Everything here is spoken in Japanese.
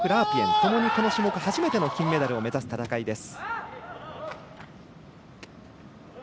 ともにこの種目、初めての金メダルを目指す戦いです。